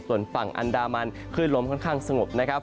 ส่วนฝั่งอันดามันคลื่นลมค่อนข้างสงบนะครับ